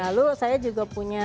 lalu saya juga punya